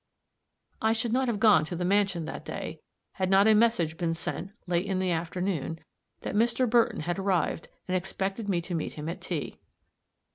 I should not have gone to the mansion that day, had not a message been sent, late in the afternoon, that Mr. Burton had arrived, and expected me to meet him at tea.